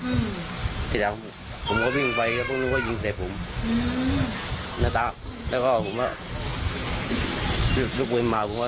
สิ่งที่ต่างผมก็ยิงไปต้องยิงไส่ผมแล้วผมก็ลูกเว้นมาผมว่า